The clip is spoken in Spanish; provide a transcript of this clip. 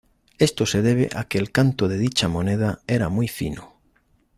Esto se debe a que el canto de dicha moneda era muy fino.